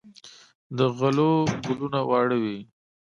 د غلو ګلونه واړه وي.